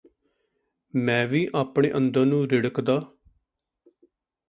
ਮੈਂ ਵੀ ਆਪਣੇ ਅੰਦਰ ਨੂੰ ਰਿੜਕਦਾ